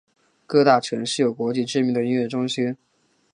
各大城市有国际知名的音乐中心。